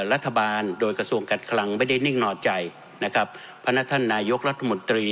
รัฐบาลโดยกระทรวงการคลังไม่ได้นิ่งนอนใจนะครับพนักท่านนายกรัฐมนตรี